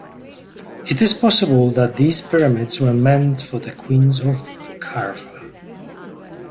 It is possible that these pyramids were meant for the Queens of Khafra.